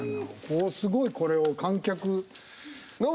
こうすごいこれを観客。